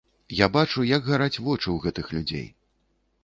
Я бачу, як гараць вочы ў гэтых людзей.